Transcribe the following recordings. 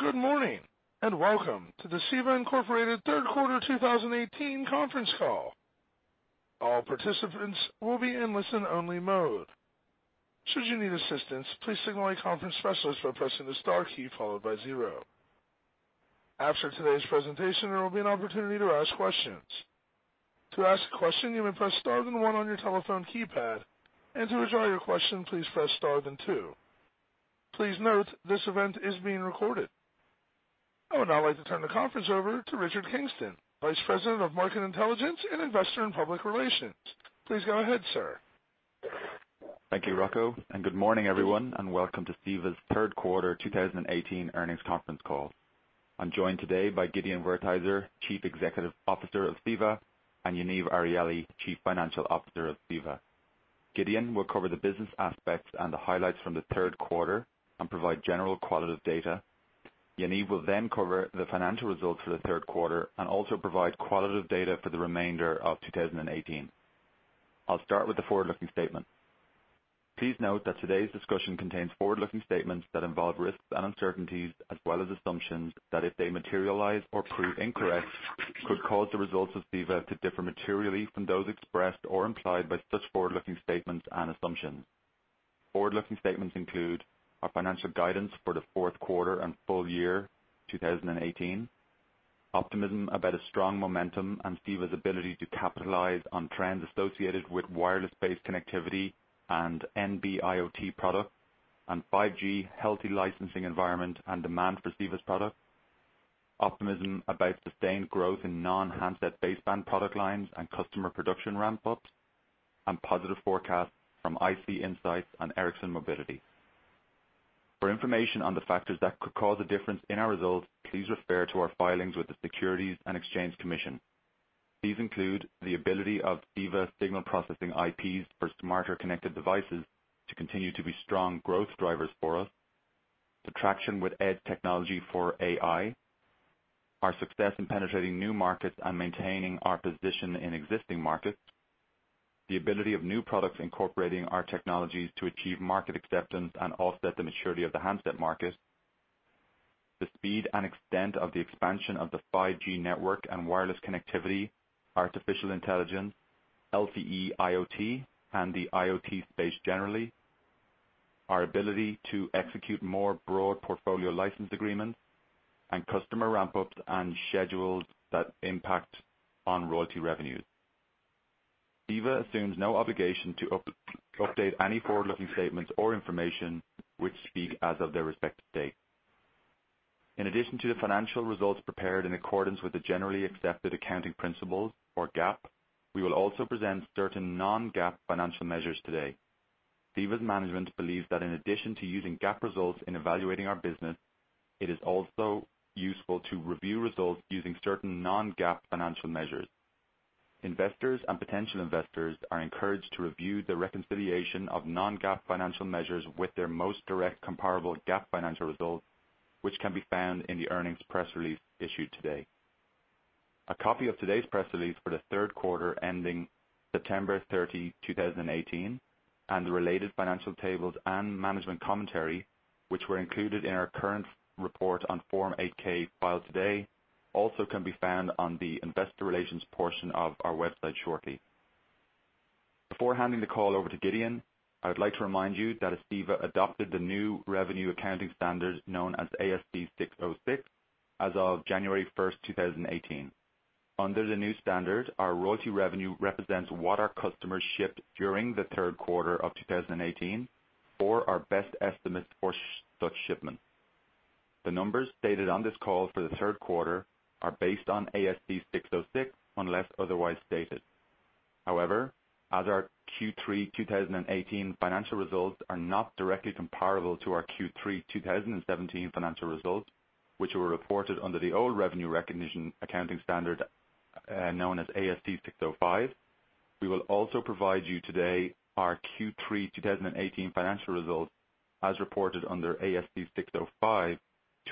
Good morning, welcome to the CEVA, Inc. third quarter 2018 conference call. All participants will be in listen-only mode. Should you need assistance, please signal a conference specialist by pressing the star key followed by zero. After today's presentation, there will be an opportunity to ask questions. To ask a question, you may press star then one on your telephone keypad, to withdraw your question, please press star then two. Please note this event is being recorded. I would now like to turn the conference over to Richard Kingston, Vice President of Market Intelligence and Investor & Public Relations. Please go ahead, sir. Thank you, Rocco, good morning, everyone, welcome to CEVA's third quarter 2018 earnings conference call. I'm joined today by Gideon Wertheizer, Chief Executive Officer of CEVA, Yaniv Arieli, Chief Financial Officer of CEVA. Gideon will cover the business aspects and the highlights from the third quarter and provide general qualitative data. Yaniv will cover the financial results for the third quarter also provide qualitative data for the remainder of 2018. I'll start with the forward-looking statement. Please note that today's discussion contains forward-looking statements that involve risks and uncertainties, as well as assumptions that if they materialize or prove incorrect, could cause the results of CEVA to differ materially from those expressed or implied by such forward-looking statements and assumptions. Forward-looking statements include our financial guidance for the fourth quarter and full year 2018, optimism about a strong momentum, CEVA's ability to capitalize on trends associated with wireless-based connectivity and NB-IoT product, 5G healthy licensing environment and demand for CEVA's product, optimism about sustained growth in non-handset baseband product lines and customer production ramp-ups, positive forecasts from IC Insights and Ericsson Mobility. For information on the factors that could cause a difference in our results, please refer to our filings with the Securities and Exchange Commission. These include the ability of CEVA signal processing IPs for smarter connected devices to continue to be strong growth drivers for us, the traction with edge technology for AI, our success in penetrating new markets and maintaining our position in existing markets, the ability of new products incorporating our technologies to achieve market acceptance and offset the maturity of the handset market, the speed and extent of the expansion of the 5G network and wireless connectivity, artificial intelligence, LTE, IoT, the IoT space generally, our ability to execute more broad portfolio license agreements, customer ramp-ups and schedules that impact on royalty revenues. CEVA assumes no obligation to update any forward-looking statements or information which speak as of their respective date. In addition to the financial results prepared in accordance with the generally accepted accounting principles or GAAP, we will also present certain non-GAAP financial measures today. CEVA's management believes that in addition to using GAAP results in evaluating our business, it is also useful to review results using certain non-GAAP financial measures. Investors and potential investors are encouraged to review the reconciliation of non-GAAP financial measures with their most direct comparable GAAP financial results, which can be found in the earnings press release issued today. A copy of today's press release for the third quarter ending September 30, 2018, and the related financial tables and management commentary, which were included in our current report on Form 8-K filed today, also can be found on the investor relations portion of our website shortly. Before handing the call over to Gideon, I would like to remind you that CEVA adopted the new revenue accounting standard known as ASC 606 as of January first, 2018. Under the new standard, our royalty revenue represents what our customers shipped during the third quarter of 2018 for our best estimate for such shipment. The numbers stated on this call for the third quarter are based on ASC 606, unless otherwise stated. However, as our Q3 2018 financial results are not directly comparable to our Q3 2017 financial results, which were reported under the old revenue recognition accounting standard, known as ASC 605. We will also provide you today our Q3 2018 financial results as reported under ASC 605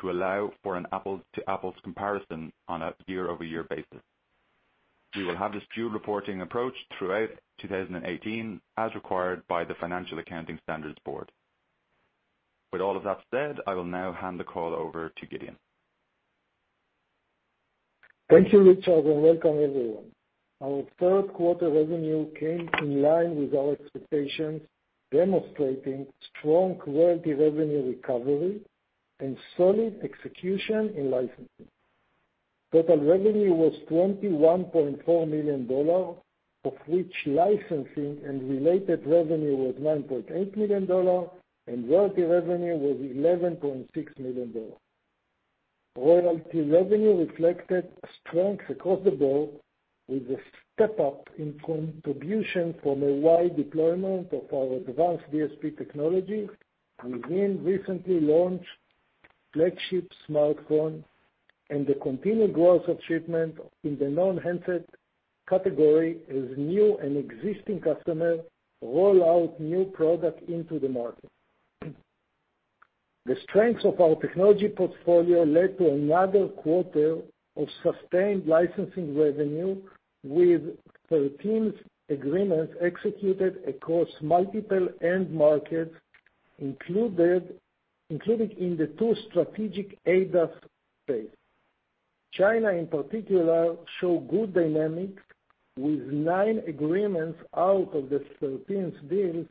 to allow for an apples to apples comparison on a year-over-year basis. We will have this dual reporting approach throughout 2018 as required by the Financial Accounting Standards Board. With all of that said, I will now hand the call over to Gideon. Thank you, Richard, and welcome everyone. Our third quarter revenue came in line with our expectations, demonstrating strong royalty revenue recovery and solid execution in licensing. Total revenue was $21.4 million, of which licensing and related revenue was $9.8 million, and royalty revenue was $11.6 million. Royalty revenue reflected strength across the board with a step-up in contribution from a wide deployment of our advanced DSP technology within recently launched flagship smartphone and the continued growth of shipment in the non-handset category as new and existing customers roll out new product into the market. The strengths of our technology portfolio led to another quarter of sustained licensing revenue with 13 agreements executed across multiple end markets included in the two strategic ADAS space. China in particular show good dynamics with nine agreements out of the 13 deals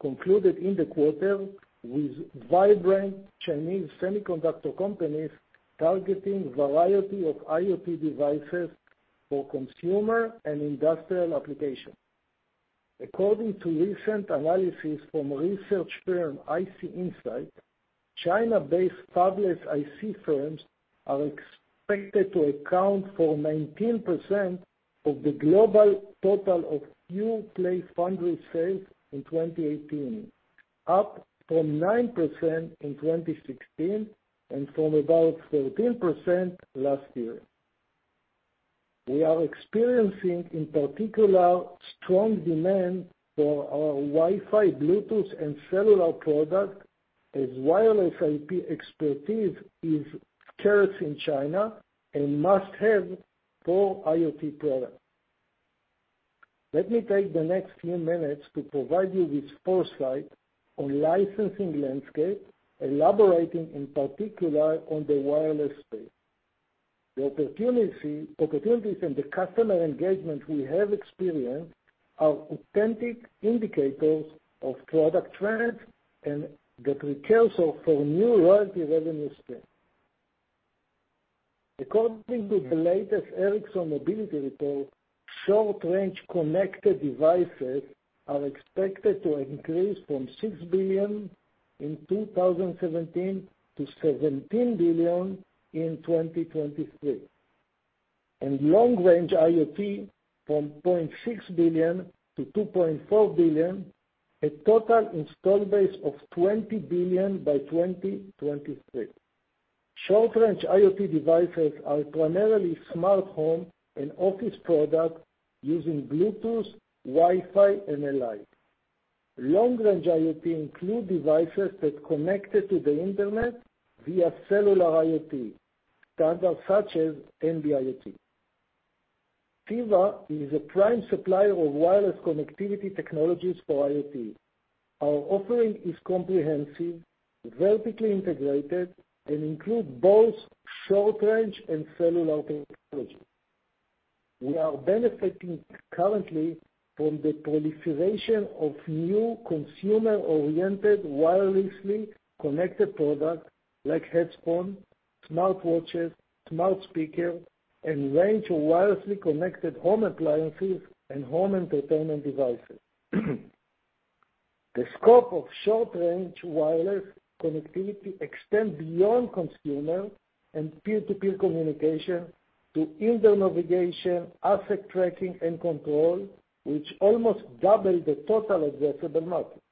concluded in the quarter with vibrant Chinese semiconductor companies targeting variety of IoT devices for consumer and industrial application. According to recent analysis from research firm IC Insights, China-based fabless IC firms are expected to account for 19% of the global total of new place foundry sales in 2018, up from 9% in 2016 and from about 13% last year. We are experiencing, in particular, strong demand for our Wi-Fi, Bluetooth, and cellular product as wireless IP expertise is scarce in China and must have for IoT product. Let me take the next few minutes to provide you with foresight on licensing landscape, elaborating, in particular, on the wireless space. The opportunities and the customer engagement we have experienced are authentic indicators of product trends and the precursor for new royalty revenue stream. According to the latest Ericsson Mobility Report, short-range connected devices are expected to increase from 6 billion in 2017 to 17 billion in 2023, and long-range IoT from 0.6 billion to 2.4 billion, a total install base of 20 billion by 2023. Short-range IoT devices are primarily smart home and office product using Bluetooth, Wi-Fi, and Zigbee. Long-range IoT include devices that connected to the internet via cellular IoT, standards such as NB-IoT. CEVA is a prime supplier of wireless connectivity technologies for IoT. Our offering is comprehensive, vertically integrated, and include both short-range and cellular technology. We are benefiting currently from the proliferation of new consumer-oriented wirelessly connected product like headphone, smartwatches, smart speaker, and range of wirelessly connected home appliances and home entertainment devices. The scope of short-range wireless connectivity extend beyond consumer and peer-to-peer communication to indoor navigation, asset tracking, and control, which almost double the total addressable market.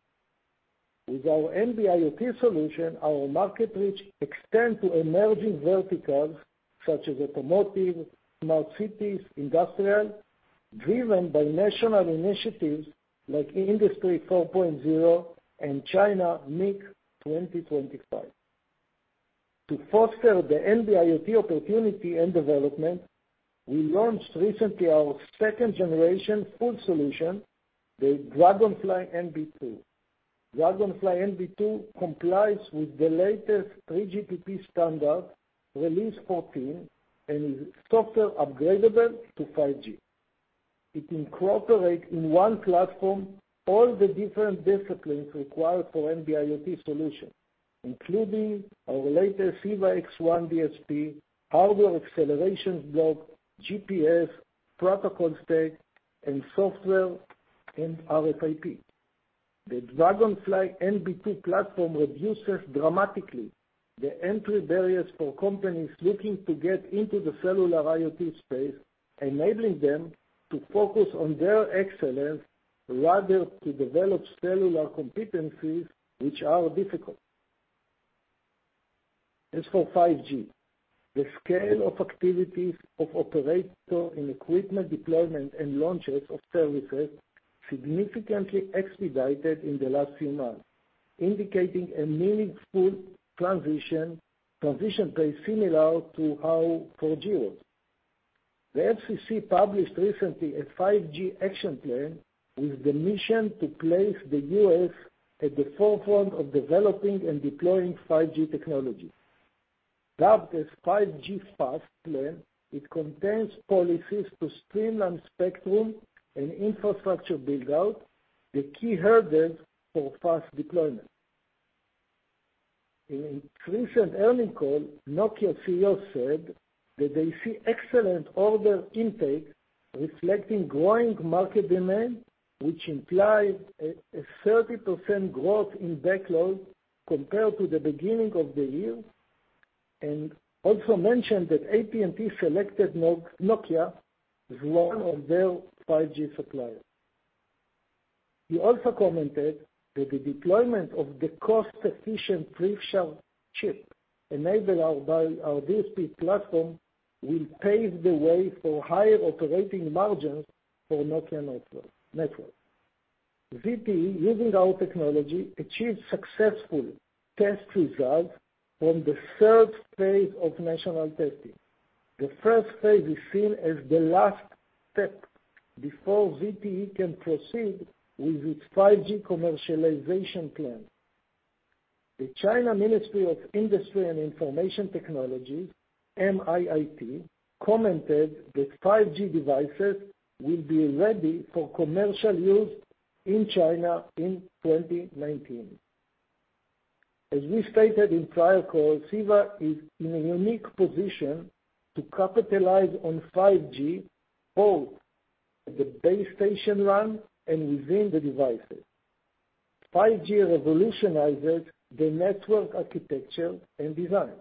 With our NB-IoT solution, our market reach extend to emerging verticals such as automotive, smart cities, industrial, driven by national initiatives like Industry 4.0 and Made in China 2025. To foster the NB-IoT opportunity and development, we launched recently our second generation full solution, the Dragonfly NB2. Dragonfly NB2 complies with the latest 3GPP standard Release 14 and is software upgradeable to 5G. It incorporate in one platform all the different disciplines required for NB-IoT solution, including our latest CEVA-X1 DSP, hardware acceleration block, GPS, protocol stack, and software and RF IP. The Dragonfly NB2 platform reduces dramatically the entry barriers for companies looking to get into the cellular IoT space, enabling them to focus on their excellence rather to develop cellular competencies, which are difficult. As for 5G, the scale of activities of operator and equipment deployment and launches of services significantly expedited in the last few months, indicating a meaningful transition play similar to how 4G was. The FCC published recently a 5G action plan with the mission to place the U.S. at the forefront of developing and deploying 5G technology. Dubbed as 5G FAST Plan, it contains policies to streamline spectrum and infrastructure build-out, the key hurdles for fast deployment. In a recent earning call, Nokia CEO said that they see excellent order intake reflecting growing market demand, which implied a 30% growth in backlog compared to the beginning of the year, and also mentioned that AT&T selected Nokia as one of their 5G suppliers. He also commented that the deployment of the cost-efficient ReefShark chip enabled by our DSP platform will pave the way for higher operating margins for Nokia network. ZTE, using our technology, achieved successful test results from the third phase of national testing. The first phase is seen as the last step before ZTE can proceed with its 5G commercialization plan. The Ministry of Industry and Information Technology, MIIT, commented that 5G devices will be ready for commercial use in China in 2019. As we stated in prior calls, CEVA is in a unique position to capitalize on 5G, both at the base station RAN and within the devices. 5G revolutionizes the network architecture and design.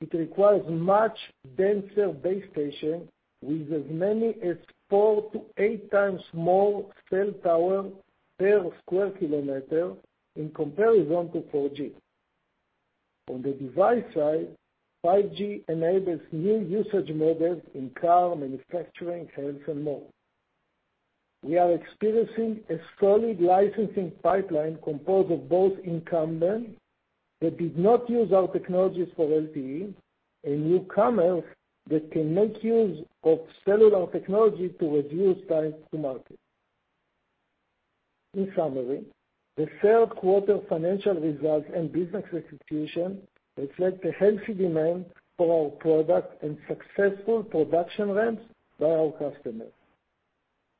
It requires much denser base station with as many as four to eight times more cell tower per square kilometer in comparison to 4G. On the device side, 5G enables new usage models in car manufacturing, health, and more. We are experiencing a solid licensing pipeline composed of both incumbents that did not use our technologies for LTE, and newcomers that can make use of cellular technology to reduce time to market. In summary, the third quarter financial results and business execution reflect a healthy demand for our products and successful production ramps by our customers.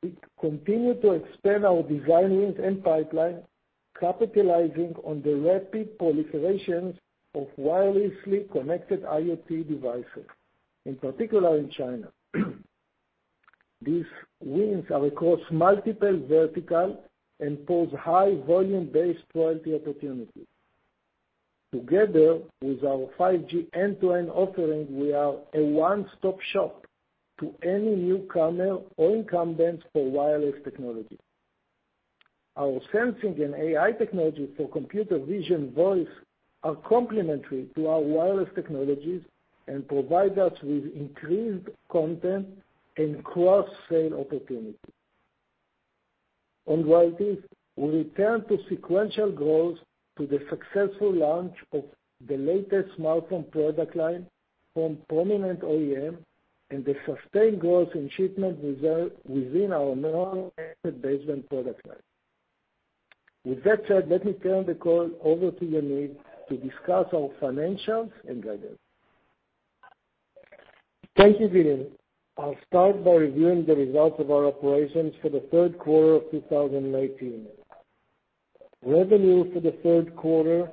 We continue to expand our design wins and pipeline, capitalizing on the rapid proliferations of wirelessly connected IoT devices, in particular in China. These wins are across multiple verticals and pose high volume-based royalty opportunities. Together with our 5G end-to-end offering, we are a one-stop shop to any newcomer or incumbents for wireless technology. Our sensing and AI technology for computer vision voice are complementary to our wireless technologies and provide us with increased content and cross-sale opportunities. On wireless, we return to sequential growth to the successful launch of the latest smartphone product line from prominent OEM and the sustained growth in shipment within our non-baseband product line. With that said, let me turn the call over to Yaniv to discuss our financials and guidance. Thank you, Gil. I'll start by reviewing the results of our operations for the third quarter of 2018. Revenue for the third quarter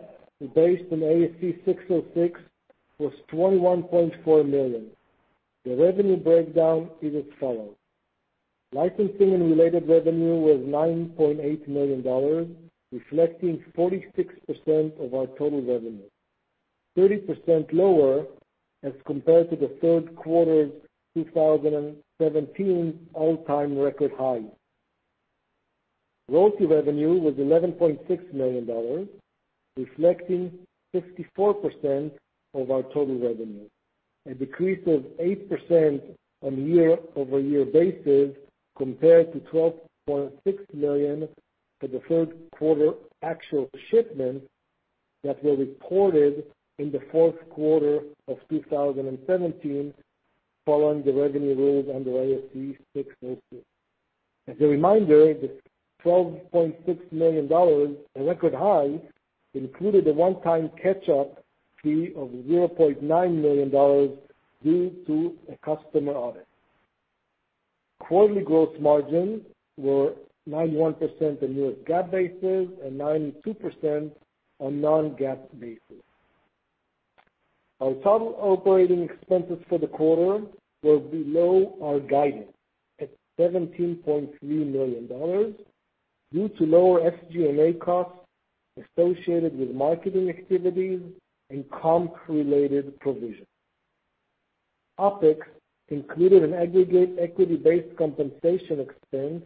based on ASC 606 was $21.4 million. The revenue breakdown is as follows: Licensing and related revenue was $9.8 million, reflecting 46% of our total revenue, 30% lower as compared to the third quarter 2017 all-time record high. Royalty revenue was $11.6 million, reflecting 64% of our total revenue, a decrease of 8% on year-over-year basis compared to $12.6 million for the third quarter actual shipment that were reported in the fourth quarter of 2017, following the revenue rules under ASC 606. As a reminder, the $12.6 million, a record high, included a one-time catch-up fee of $0.9 million due to a customer audit. Quarterly gross margins were 91% on US GAAP basis and 92% on non-GAAP basis. Our total operating expenses for the quarter were below our guidance at $17.3 million due to lower SG&A costs associated with marketing activities and comp-related provision. OpEx included an aggregate equity-based compensation expense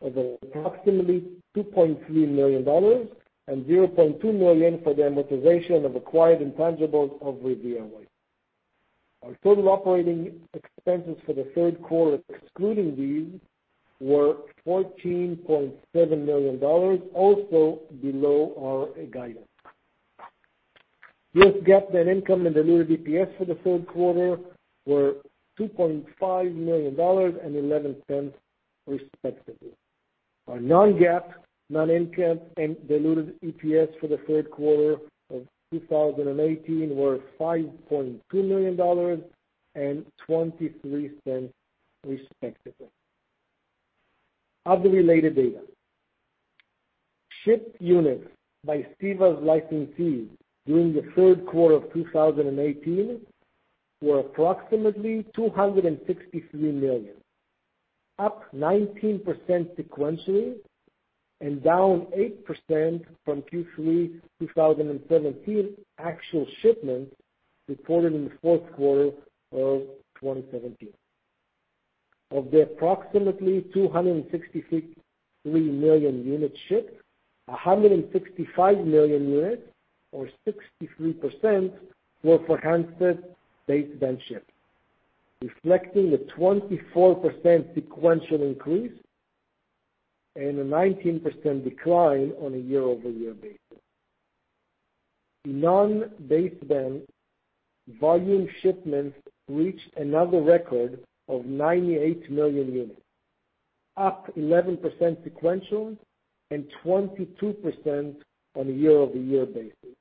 of approximately $2.3 million and $0.2 million for the amortization of acquired intangibles of RivieraWaves. Our total operating expenses for the third quarter, excluding these, were $14.7 million, also below our guidance. US GAAP net income and the diluted EPS for the third quarter were $2.5 and $0.11 respectively. Our non-GAAP net income and diluted EPS for the third quarter of 2018 were $5.2 million and $0.23 respectively. Other related data. Shipped units by CEVA's licensees during the third quarter of 2018 were approximately 263 million, up 19% sequentially and down 8% from Q3 2017 actual shipments reported in the fourth quarter of 2017. Of the approximately 263 million units shipped, 165 million units or 63% were for handset baseband shipped, reflecting a 24% sequential increase and a 19% decline on a year-over-year basis. Non-baseband volume shipments reached another record of 98 million units. Up 11% sequential and 22% on a year-over-year basis.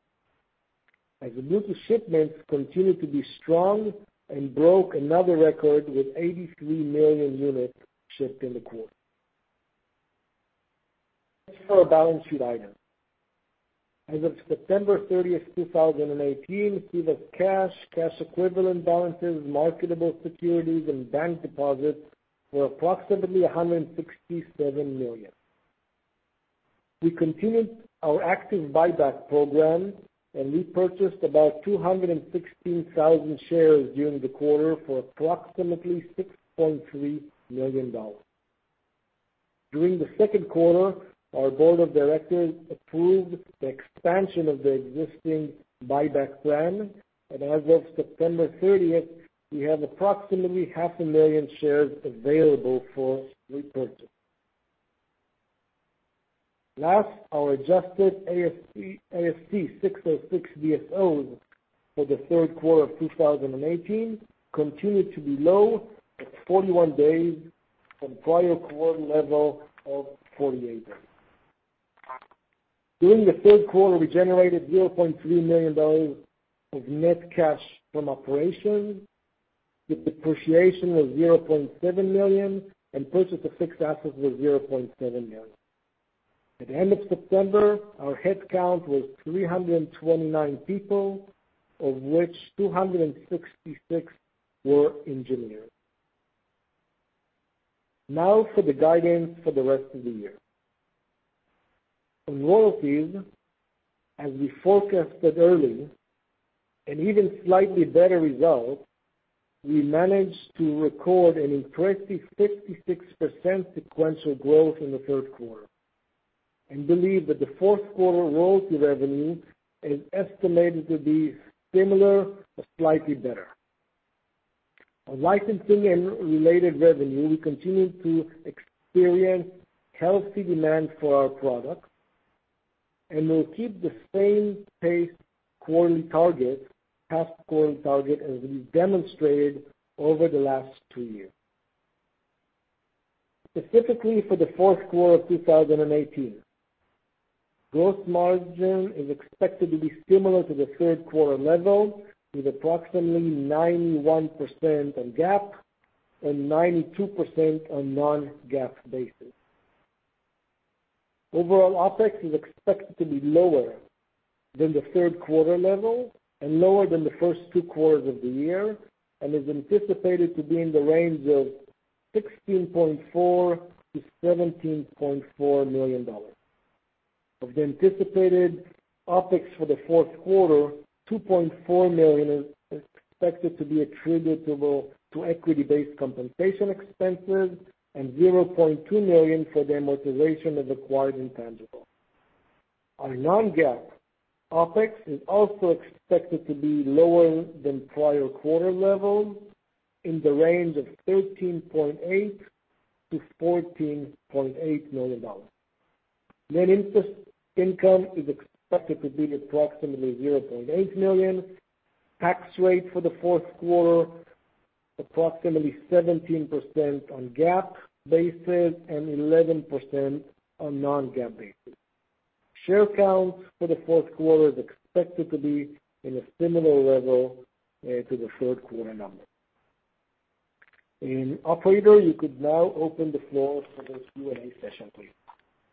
The music shipments continued to be strong and broke another record with 83 million units shipped in the quarter. For our balance sheet items. As of September 30th, 2018, CEVA's cash equivalent balances, marketable securities, and bank deposits were approximately $167 million. We continued our active buyback program and repurchased about 216,000 shares during the quarter for approximately $6.3 million. During the second quarter, our board of directors approved the expansion of the existing buyback plan, and as of September 30th, we have approximately half a million shares available for repurchase. Our adjusted ASC 606 DSOs for the third quarter of 2018 continued to be low at 41 days from prior quarter level of 48 days. During the third quarter, we generated $0.3 million of net cash from operations, with depreciation of $0.7 million, and purchase of fixed assets was $0.7 million. At the end of September, our headcount was 329 people, of which 266 were engineers. For the guidance for the rest of the year. On royalties, as we forecasted early, an even slightly better result, we managed to record an impressive 56% sequential growth in the third quarter and believe that the fourth quarter royalty revenue is estimated to be similar or slightly better. On licensing and related revenue, we continue to experience healthy demand for our products, and we'll keep the same pace quarterly target, past quarterly target, as we've demonstrated over the last two years. Specifically for the fourth quarter of 2018, gross margin is expected to be similar to the third quarter level, with approximately 91% on GAAP and 92% on non-GAAP basis. Overall, OpEx is expected to be lower than the third quarter level and lower than the first two quarters of the year, and is anticipated to be in the range of $16.4 million-$17.4 million. Of the anticipated OpEx for the fourth quarter, $2.4 million is expected to be attributable to equity-based compensation expenses and $0.2 million for the amortization of acquired intangibles. Our non-GAAP OpEx is also expected to be lower than prior quarter levels in the range of $13.8 million-$14.8 million. Net interest income is expected to be approximately $0.8 million. Tax rate for the fourth quarter, approximately 17% on GAAP basis and 11% on non-GAAP basis. Share count for the fourth quarter is expected to be in a similar level to the third quarter number. Operator, you could now open the floor for the Q&A session, please.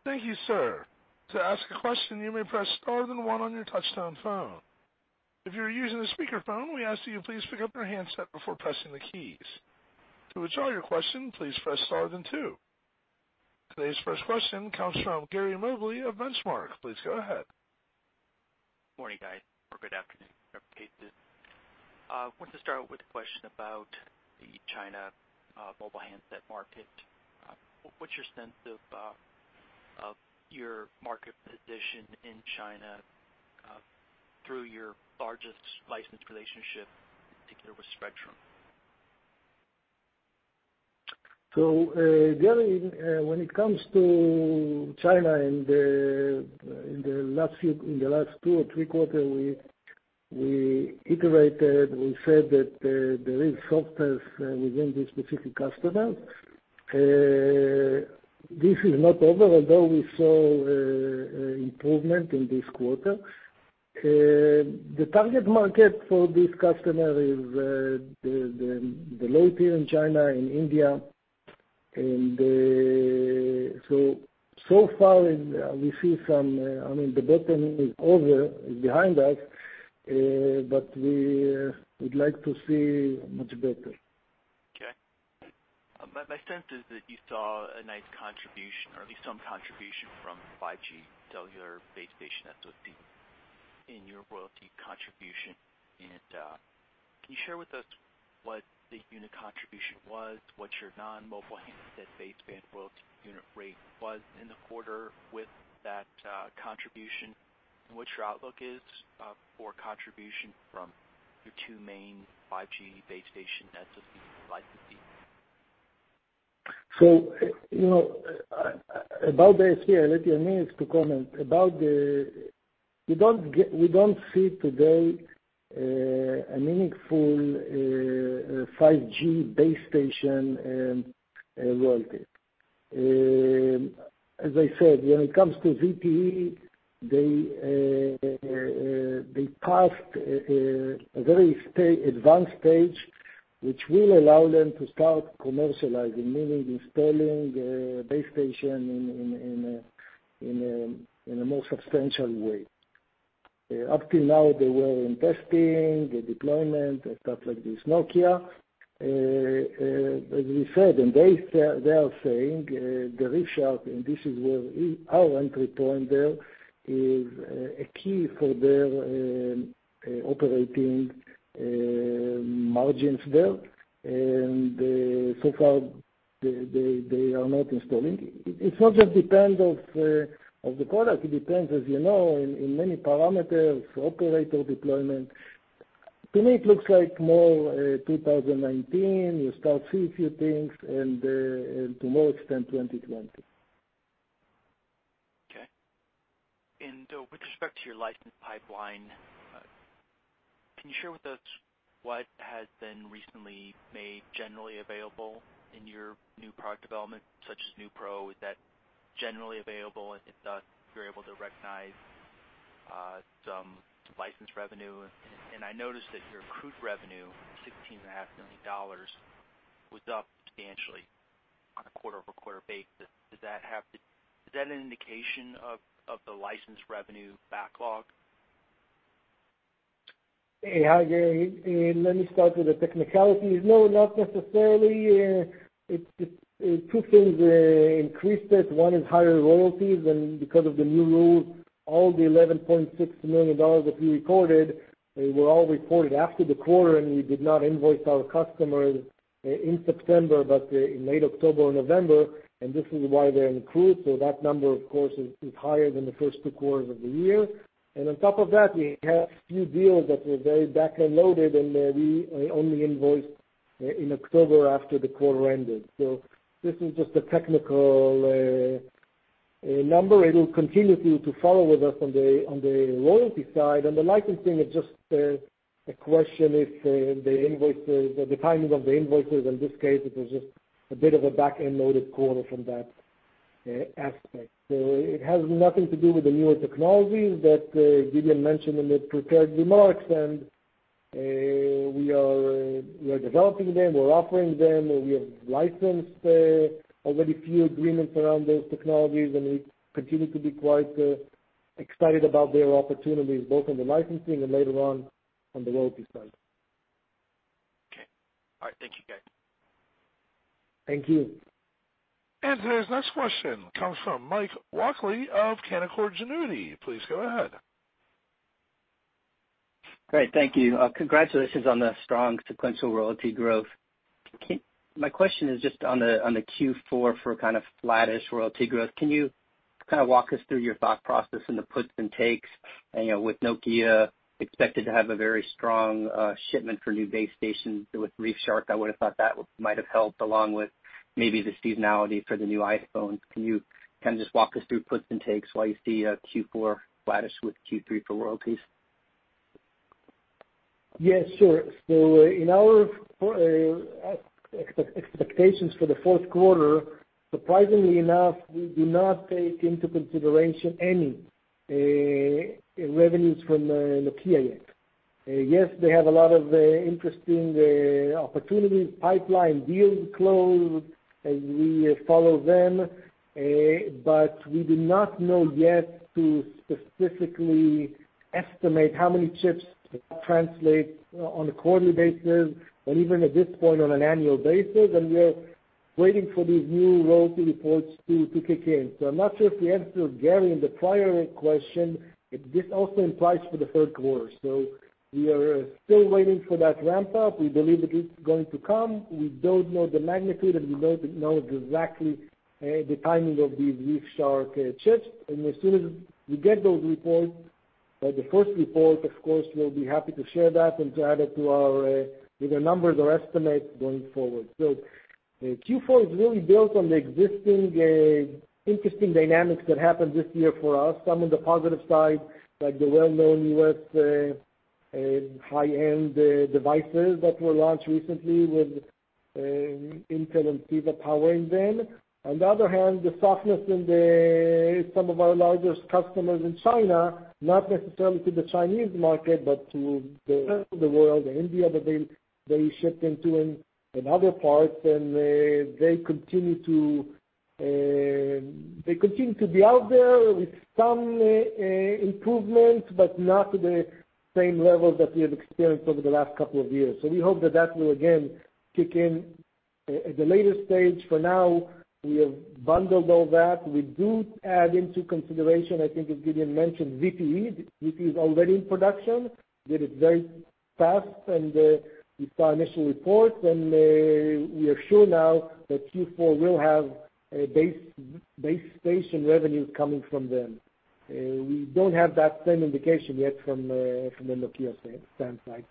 Thank you, sir. To ask a question, you may press star then one on your touch-tone phone. If you are using a speakerphone, we ask that you please pick up your handset before pressing the keys. To withdraw your question, please press star then two. Today's first question comes from Gary Mobley of Benchmark. Please go ahead. Morning, guys, or good afternoon, I guess. I want to start with a question about the China mobile handset market. What is your sense of your market position in China through your largest licensed relationship, in particular with Spreadtrum? Gary, when it comes to China in the last two or three quarter, we iterated, we said that there is softness within this specific customer. This is not over, although we saw improvement in this quarter. The target market for this customer is the low-tier in China, in India. Far, the bottom is over, is behind us, we would like to see much better. Okay. My sense is that you saw a nice contribution or at least some contribution from 5G cellular base station SoC in your royalty contribution. Can you share with us what the unit contribution was, what your non-mobile handset baseband royalty unit rate was in the quarter with that contribution, and what your outlook is for contribution from your two main 5G base station SoC licensees? About base here, I'll let Yaniv to comment. We don't see today a meaningful 5G base station royalty. As I said, when it comes to ZTE, they passed a very advanced stage, which will allow them to start commercializing, meaning installing a base station in a more substantial way. Up till now, they were in testing, deployment, and stuff like this. Nokia, as we said, and they are saying, the ReefShark, and this is where our entry point there is key for their operating margins there. So far, they are not installing. It not just depends on the product, it depends, as you know, in many parameters, operator deployment. To me, it looks like more 2019, you start see a few things and to more extent 2020. Okay. With respect to your license pipeline, can you share with us what has been recently made generally available in your new product development, such as NeuPro? Is that generally available, and if that you're able to recognize some license revenue? I noticed that your accrued revenue, $16.5 million, was up substantially on a quarter-over-quarter basis. Is that an indication of the license revenue backlog? Hey, Hi Gary. Let me start with the technicalities. No, not necessarily. Two things increased it. One is higher royalties, and because of the new rule, all the $11.6 million that we recorded were all recorded after the quarter, and we did not invoice our customers in September, but in late October and November, and this is why they're accrued. That number, of course, is higher than the first two quarters of the year. On top of that, we have few deals that were very back-end loaded, and we only invoiced in October after the quarter ended. This is just a technical number. It will continue to follow with us on the royalty side. The licensing is just a question if the timing of the invoices, in this case, it was just a bit of a back-end loaded quarter from that aspect. It has nothing to do with the newer technologies that Gideon mentioned in his prepared remarks. We are developing them, we're offering them, and we have licensed already few agreements around those technologies, and we continue to be quite excited about their opportunities, both on the licensing and later on the royalty side. Okay. All right. Thank you, guys. Thank you. Today's next question comes from Mike Walkley of Canaccord Genuity. Please go ahead. Great. Thank you. Congratulations on the strong sequential royalty growth. My question is just on the Q4 for kind of flattish royalty growth. Can you kind of walk us through your thought process and the puts and takes, with Nokia expected to have a very strong shipment for new base stations with ReefShark, I would've thought that might have helped, along with maybe the seasonality for the new iPhone. Can you kind of just walk us through puts and takes why you see Q4 flattish with Q3 for royalties? Yes, sure. In our expectations for the fourth quarter, surprisingly enough, we do not take into consideration any revenues from Nokia yet. Yes, they have a lot of interesting opportunities, pipeline deals closed, and we follow them. We do not know yet to specifically estimate how many chips translate on a quarterly basis, and even at this point on an annual basis. We are waiting for these new royalty reports to kick in. I'm not sure if we answered Gary in the prior question, this also implies for the third quarter. We are still waiting for that ramp up. We believe it is going to come. We don't know the magnitude, and we don't know exactly the timing of these ReefShark chips. As soon as we get those reports, like the first report, of course, we'll be happy to share that and to add it to our, with our numbers or estimates going forward. Q4 is really built on the existing interesting dynamics that happened this year for us. Some of the positive side, like the well-known U.S. high-end devices that were launched recently with Intel and CEVA powering them. On the other hand, the softness in some of our largest customers in China, not necessarily to the Chinese market, but to the rest of the world and India that they ship into and other parts. They continue to be out there with some improvements, but not to the same levels that we have experienced over the last couple of years. We hope that will again kick in at the later stage. For now, we have bundled all that. We do add into consideration, I think as Gideon mentioned, ZTE, which is already in production, that is very fast, and we saw initial reports and we are sure now that Q4 will have a base station revenue coming from them. We don't have that same indication yet from the Nokia standpoint.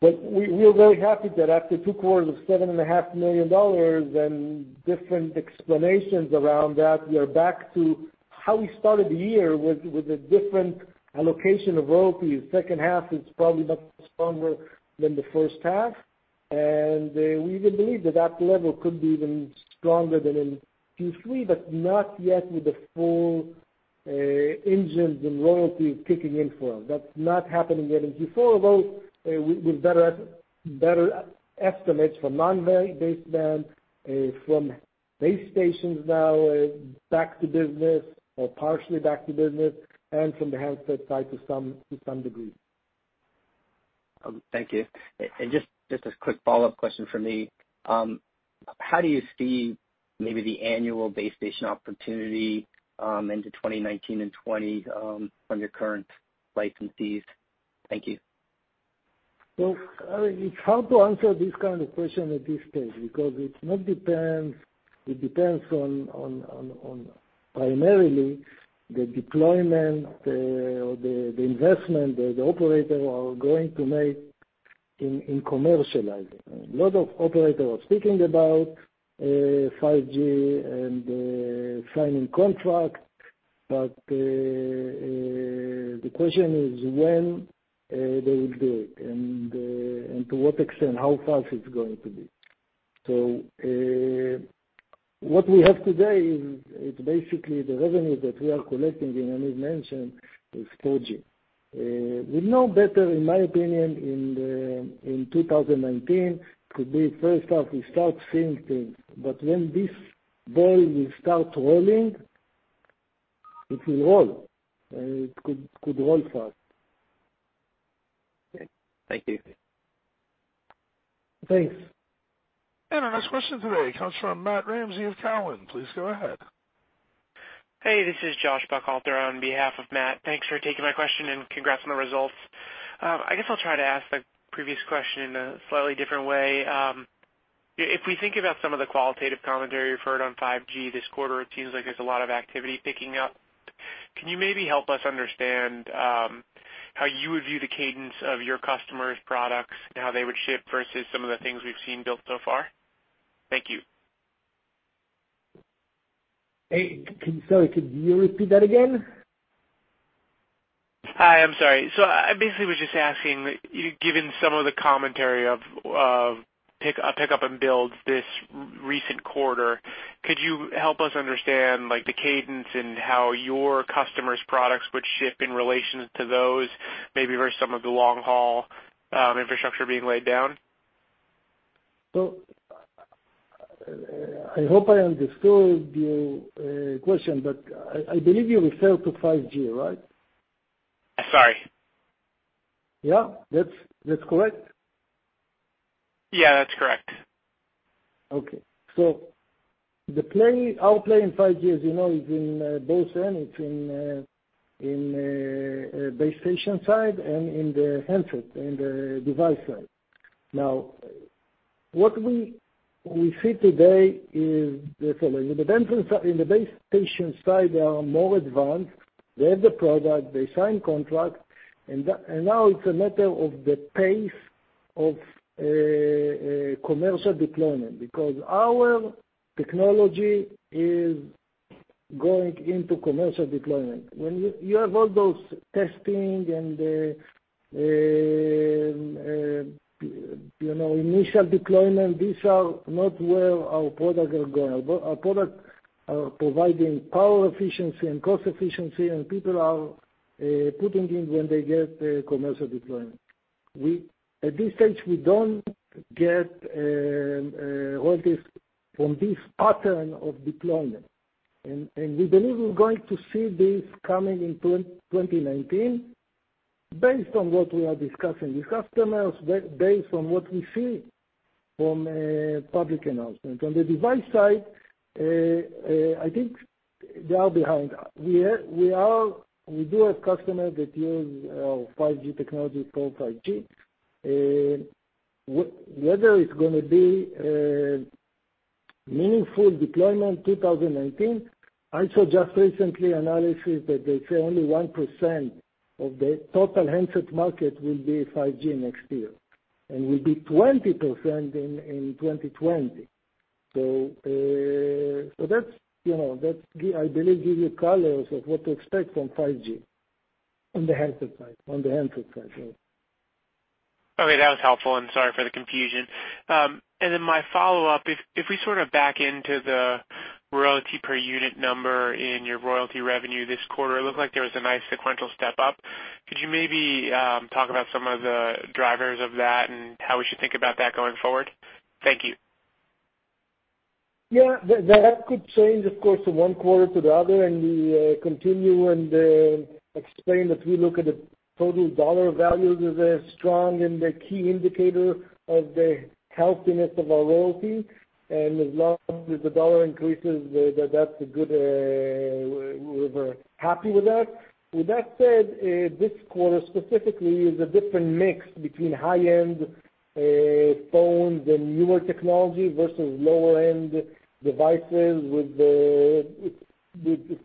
We are very happy that after two quarters of $7.5 million and different explanations around that, we are back to how we started the year with a different allocation of royalties. Second half is probably much stronger than the first half, and we even believe that level could be even stronger than in Q3, but not yet with the full engines and royalties kicking in for us. That's not happening yet in Q4, although with better estimates for non-baseband, from base stations now back to business or partially back to business, and from the handset side to some degree. Thank you. Just a quick follow-up question from me. How do you see maybe the annual base station opportunity into 2019 and 2020 from your current licensees? Thank you. It's hard to answer this kind of question at this stage, because it depends on primarily the deployment or the investment that the operator are going to make in commercializing. A lot of operators are speaking about 5G and signing contracts, but the question is when they will do it and to what extent, how fast it's going to be. What we have today is basically the revenues that we are collecting, and Yaniv mentioned, is 4G. We know better, in my opinion, in 2019, could be first half, we start seeing things. When this ball will start rolling, it will roll, and it could roll fast. Okay. Thank you. Thanks. Our next question today comes from Matthew Ramsey of Cowen. Please go ahead. Hey, this is Joshua Buchalter on behalf of Matt. Thanks for taking my question, congrats on the results. I guess I'll try to ask the previous question in a slightly different way. If we think about some of the qualitative commentary you've heard on 5G this quarter, it seems like there's a lot of activity picking up. Can you maybe help us understand how you would view the cadence of your customers' products and how they would ship versus some of the things we've seen built so far? Thank you. Hey, sorry, could you repeat that again? Hi, I'm sorry. I basically was just asking, given some of the commentary of pick-up and build this recent quarter, could you help us understand the cadence and how your customers' products would ship in relation to those, maybe versus some of the long-haul infrastructure being laid down? I hope I understood your question, but I believe you refer to 5G, right? Sorry. Yeah, that's correct? Yeah, that's correct. Our play in 5G, as you know, is in both ends. It's in base station side and in the handset, in the device side. What we see today is the following. In the base station side, they are more advanced. They have the product, they sign contract, and now it's a matter of the pace of commercial deployment because our technology is going into commercial deployment. When you have all those testing and initial deployment, these are not where our products are going. Our products are providing power efficiency and cost efficiency, and people are putting in when they get a commercial deployment. At this stage, we don't get royalties from this pattern of deployment. We believe we're going to see this coming in 2019 based on what we are discussing with customers, based on what we see from public announcements. On the device side, I think they are behind. We do have customers that use our 5G technology called 5G. Whether it's going to be a meaningful deployment 2019, I saw just recently analysis that they say only 1% of the total handset market will be 5G next year, and will be 20% in 2020. That, I believe, give you colors of what to expect from 5G on the handset side. Okay, that was helpful, and sorry for the confusion. My follow-up, if we sort of back into the royalty per unit number in your royalty revenue this quarter, it looked like there was a nice sequential step up. Could you maybe talk about some of the drivers of that and how we should think about that going forward? Thank you. Yeah. That could change, of course, from one quarter to the other, and we continue and explain that we look at the total dollar value as a strong and a key indicator of the healthiness of our royalty. As long as the dollar increases, we're happy with that. With that said, this quarter specifically is a different mix between high-end Phones and newer technology versus lower-end devices with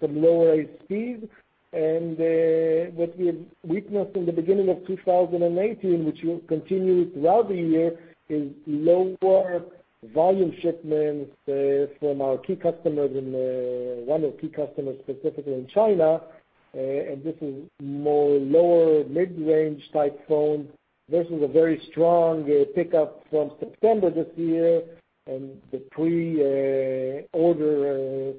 some lower ASPs. What we have witnessed in the beginning of 2018, which will continue throughout the year, is lower volume shipments from one of key customers specifically in China, and this is more lower mid-range type phone. This is a very strong pickup from September this year and the pre-order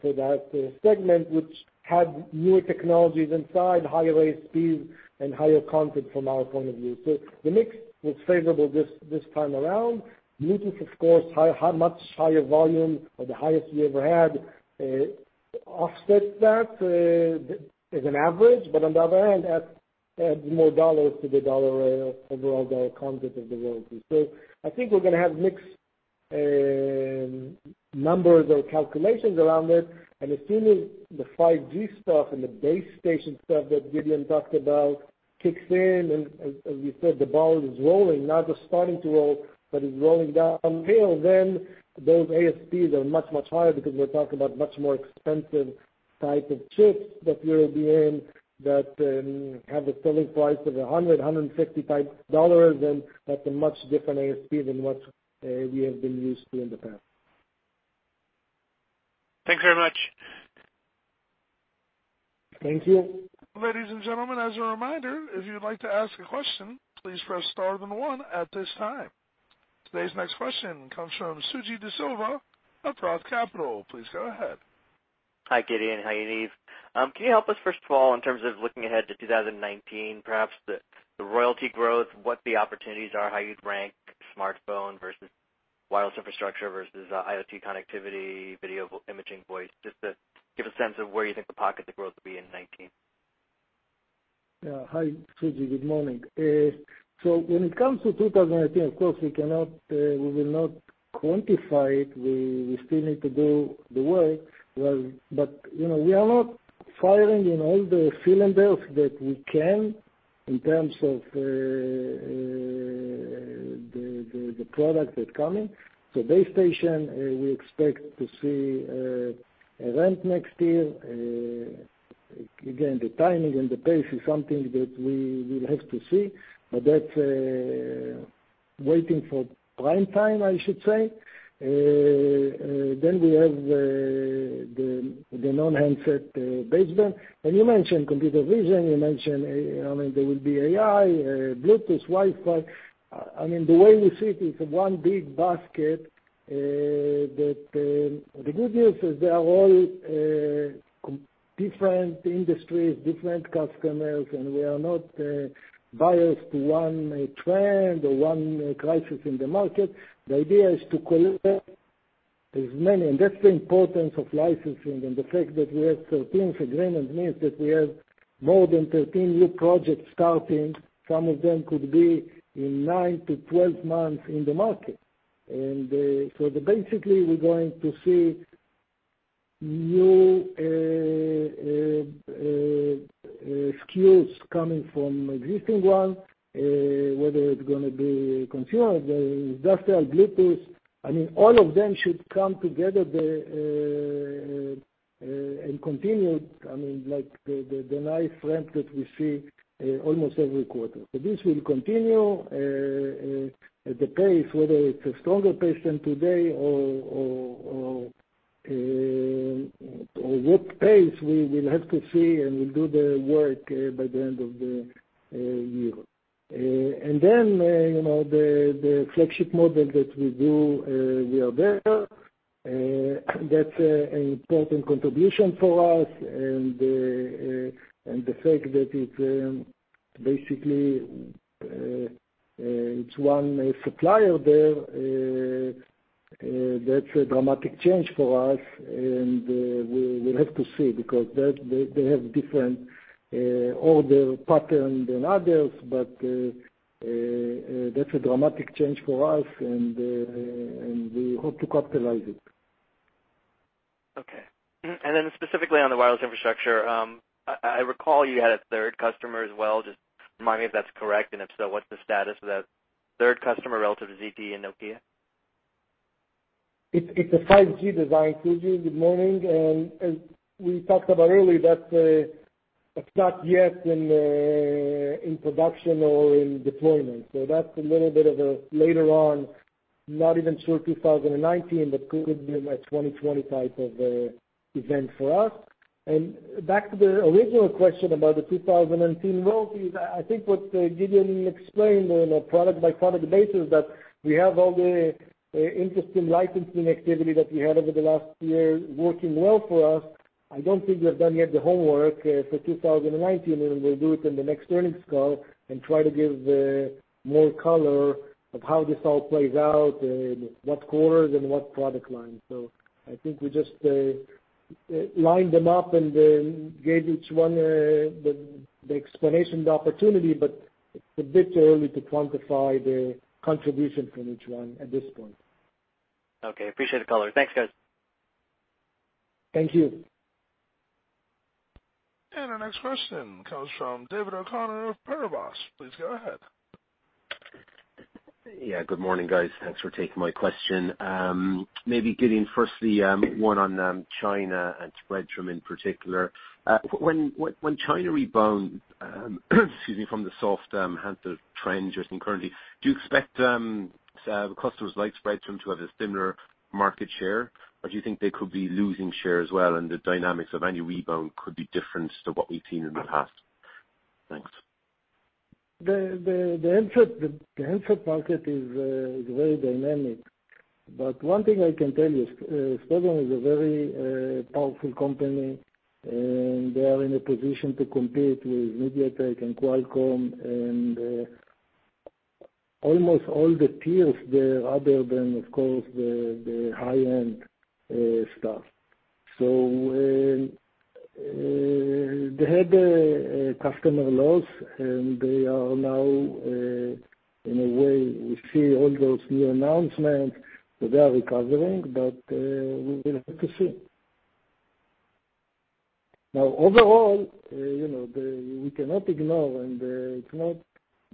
for that segment, which had newer technologies inside, higher ASPs, and higher content from our point of view. The mix was favorable this time around, meaning, of course, much higher volume or the highest we ever had offset that as an average, but on the other hand, adds more dollars to the overall dollar content of the royalty. I think we're going to have mixed numbers or calculations around it, and as soon as the 5G stuff and the base station stuff that Gideon talked about kicks in and, as we said, the ball is rolling, not just starting to roll, but is rolling downhill, then those ASPs are much, much higher because we're talking about much more expensive type of chips that will be in, that have a selling price of $100, $155, and that's a much different ASP than what we have been used to in the past. Thanks very much. Thank you. Ladies and gentlemen, as a reminder, if you'd like to ask a question, please press star then one at this time. Today's next question comes from Suji Desilva of ROTH Capital. Please go ahead. Hi, Gideon. Hi, Yaniv. Can you help us, first of all, in terms of looking ahead to 2019, perhaps the royalty growth, what the opportunities are, how you'd rank smartphone versus wireless infrastructure versus IoT connectivity, video, imaging, voice, just to give a sense of where you think the pockets of growth will be in 2019. Yeah. Hi, Suji, good morning. When it comes to 2019, of course, we will not quantify it. We still need to do the work. We are not firing in all the cylinders that we can in terms of the product that's coming. Base station, we expect to see a ramp next year. Again, the timing and the pace is something that we will have to see. That's waiting for prime time, I should say. We have the non-handset baseband. You mentioned computer vision, you mentioned there will be AI, Bluetooth, Wi-Fi. The way we see it is one big basket. The good news is they are all different industries, different customers, and we are not biased to one trend or one crisis in the market. The idea is to collect as many. That's the importance of licensing and the fact that we have 13 agreements means that we have more than 13 new projects starting. Some of them could be in 9 to 12 months in the market. Basically, we're going to see new SKUs coming from existing ones, whether it's going to be consumer, industrial, Bluetooth. All of them should come together there and continue the nice ramp that we see almost every quarter. This will continue at the pace, whether it's a stronger pace than today or what pace, we will have to see, and we'll do the work by the end of the year. The flagship model that we do, we are there. That's an important contribution for us, and the fact that it's basically one supplier there, that's a dramatic change for us, and we'll have to see because they have different order patterns than others, but that's a dramatic change for us and we hope to capitalize it. Okay. Specifically on the wireless infrastructure, I recall you had a third customer as well. Just remind me if that's correct, and if so, what's the status of that third customer relative to ZTE and Nokia? It's a 5G design, Suji, good morning. As we talked about earlier, that's not yet in production or in deployment. That's a little bit of a later on, not even sure 2019, but could be a 2020 type of event for us. Back to the original question about the 2019 royalties, I think what Gideon explained on a product-by-product basis, that we have all the interesting licensing activity that we had over the last year working well for us. I don't think we have done yet the homework for 2019, and we'll do it in the next earnings call and try to give more color of how this all plays out in what quarters and what product lines. I think we just lined them up and gave each one the explanation, the opportunity, but it's a bit early to quantify the contribution from each one at this point. Okay, appreciate the color. Thanks, guys. Thank you. Our next question comes from David O'Connor of Paribas. Please go ahead. Yeah. Good morning, guys. Thanks for taking my question. Maybe Gideon firstly, one on China and Spreadtrum in particular. When China rebounds, excuse me, from the soft handset trend just in currently, do you expect customers like Spreadtrum to have a similar market share, or do you think they could be losing share as well, and the dynamics of any rebound could be different to what we've seen in the past? Thanks. The handset market is very dynamic. One thing I can tell you, Spreadtrum is a very powerful company, and they are in a position to compete with MediaTek and Qualcomm and almost all the tiers there other than, of course, the high-end stuff. They had a customer loss, and they are now, in a way, we see all those new announcements that they are recovering, but we will have to see. Overall, we cannot ignore, the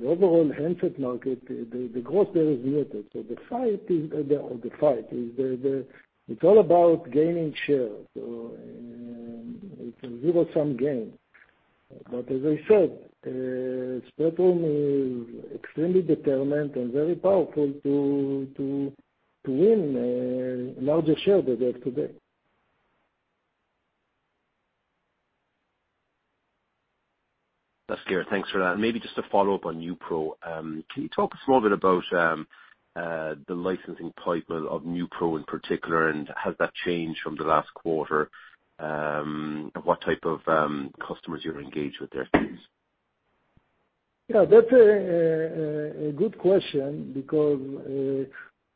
overall handset market, the growth there is limited. The fight is all about gaining share. It's a zero-sum game. As I said, Spreadtrum is extremely determined and very powerful to win a larger share than they have today. That's clear. Thanks for that. Maybe just to follow up on NeuPro. Can you talk a small bit about the licensing pipeline of NeuPro in particular, and has that changed from the last quarter? What type of customers you're engaged with there, please? Yeah, that's a good question because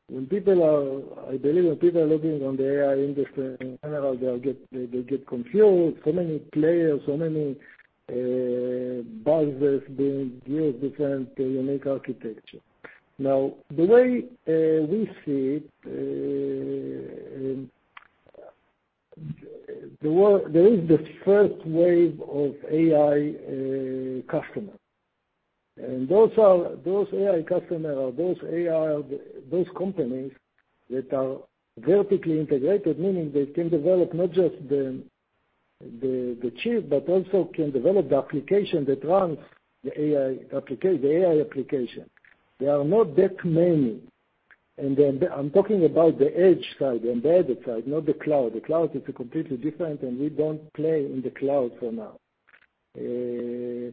when people are, I believe, when people are looking on the AI industry in general, they'll get confused. Many players, so many boxes being built, different unique architecture. The way we see it, there is the first wave of AI customers. Those AI customers or those companies that are vertically integrated, meaning they can develop not just the chip, but also can develop the application that runs the AI application. There are not that many. I'm talking about the edge side and the embedded side, not the cloud. The cloud is completely different, and we don't play in the cloud for now. There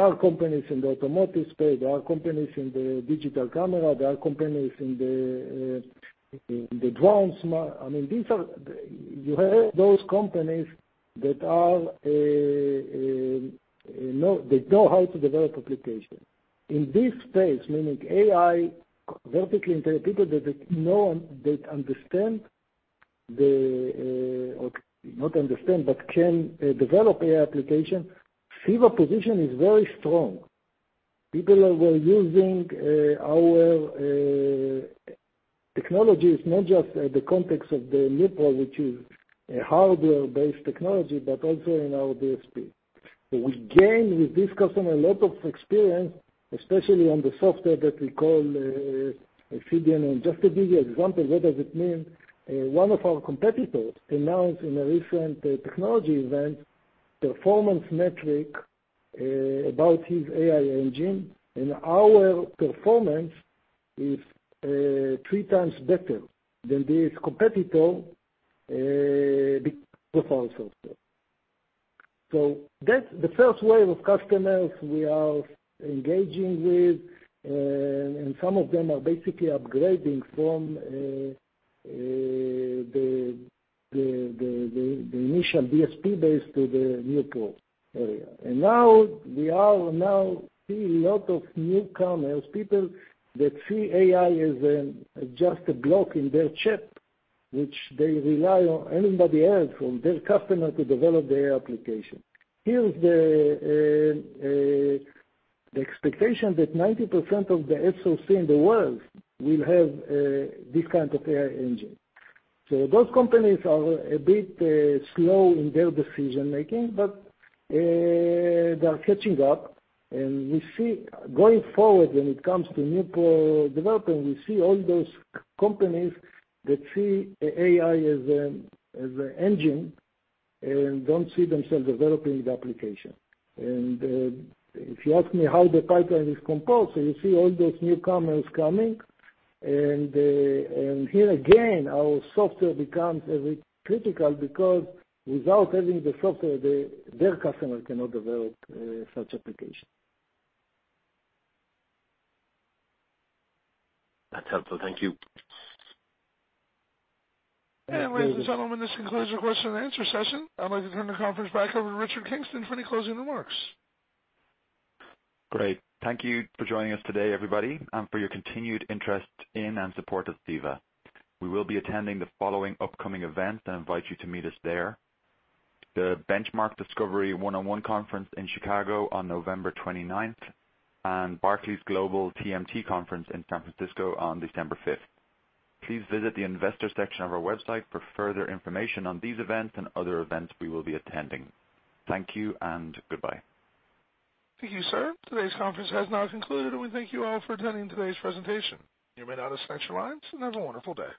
are companies in the automotive space, there are companies in the digital camera, there are companies in the drone. You have those companies that know how to develop applications. In this space, meaning AI vertically integrated people that know and that understand the, but can develop AI application, CEVA position is very strong. People were using our technologies, not just at the context of the NeuPro, which is a hardware-based technology, but also in our DSP. We gain with this customer a lot of experience, especially on the software that we call a CDNN. Just to give you example, what does it mean? One of our competitors announced in a recent technology event, performance metric about his AI engine, and our performance is 3 times better than this competitor because of our software. That's the first wave of customers we are engaging with, and some of them are basically upgrading from the initial DSP base to the NeuPro area. Now we are now seeing a lot of newcomers, people that see AI as just a block in their chip, which they rely on anybody else from their customer to develop their application. Here's the expectation that 90% of the SOC in the world will have this kind of AI engine. Those companies are a bit slow in their decision-making, but they are catching up, and we see going forward, when it comes to NeuPro development, we see all those companies that see AI as an engine and don't see themselves developing the application. If you ask me how the pipeline is composed, you see all those newcomers coming, and here again, our software becomes critical because without having the software, their customers cannot develop such application. That's helpful. Thank you. Ladies and gentlemen, this concludes your question and answer session. I'd like to turn the conference back over to Richard Kingston for any closing remarks. Great. Thank you for joining us today, everybody, and for your continued interest in and support of CEVA. We will be attending the following upcoming events and invite you to meet us there. The Benchmark Discovery One-on-One Conference in Chicago on November 29th, and Barclays Global TMT Conference in San Francisco on December 5th. Please visit the investor section of our website for further information on these events and other events we will be attending. Thank you and goodbye. Thank you, sir. Today's conference has now concluded, and we thank you all for attending today's presentation. You may now disconnect your lines, and have a wonderful day.